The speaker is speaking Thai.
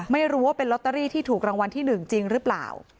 ไม่รู้ว่าเป็นลอตเตอรี่ที่ถูกรางวัลที่๑จริงหรือเปล่า